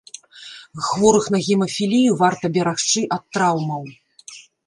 Хворых на гемафілію варта берагчы ад траўмаў.